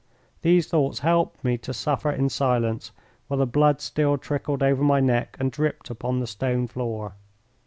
These thoughts helped me to suffer in silence while the blood still trickled over my neck and dripped upon the stone floor.